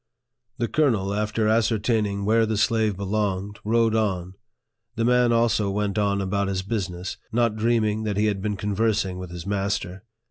The colonel, after ascertaining where the slave be longed, rode on; the man also went on about his business, not dreaming that he had been conversing with his master.